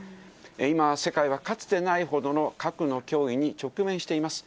今、世界はかつてないほどの核の脅威に直面しています。